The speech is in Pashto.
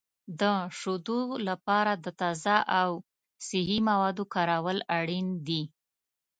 د شیدو لپاره د تازه او صحي موادو کارول اړین دي.